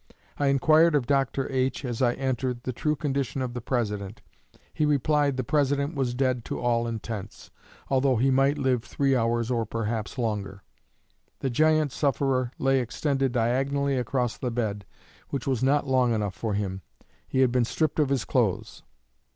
I inquired of Dr. H., as I entered, the true condition of the President. He replied the President was dead to all intents, although he might live three hours or perhaps longer.... The giant sufferer lay extended diagonally across the bed, which was not long enough for him. He had been stripped of his clothes.